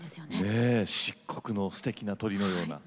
漆黒のすてきな鳥のような。